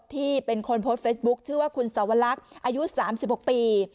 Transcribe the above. ที่เป็นคนโพสต์เฟซบุ๊คชื่อว่าคุณสวรรคอายุ๓๖ปี